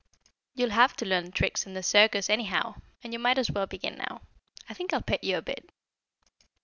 You'll have to learn tricks in the circus, anyhow, and you might as well begin now. I think I'll pet you a bit."